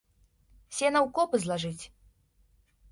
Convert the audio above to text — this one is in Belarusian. Сена ў копы злажыць!